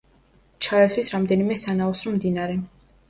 ჩაერთვის რამდენიმე სანაოსნო მდინარე.